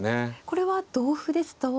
これは同歩ですと。